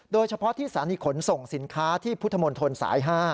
โดยเฉพาะที่สถานีขนส่งสินค้าที่พุทธมนตรสาย๕